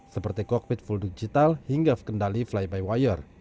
seperti kokpit full digital hingga kendali fly by wire